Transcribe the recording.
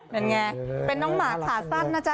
นั่นไงเป็นน้องหมาขาสั้นนะจ๊